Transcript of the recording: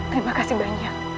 terima kasih banyak